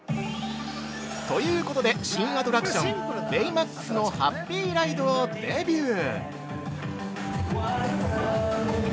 ◆ということで新アトラクションベイマックスのハッピーライドをデビュー。